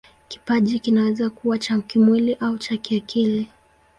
Kipaji kinaweza kuwa cha kimwili au cha kiakili.